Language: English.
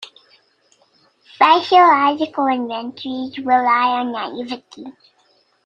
Psychological inventories rely on naivety.